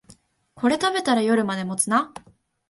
これ食べたら夜まで持つな